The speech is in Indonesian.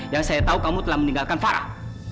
yang saya tahu kamu telah meninggalkan farah